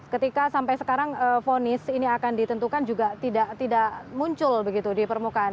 ketika sampai sekarang vonis ini akan ditentukan juga tidak muncul begitu di permukaan